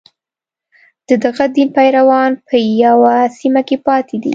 د دغه دین پیروان په یوه سیمه کې پاتې دي.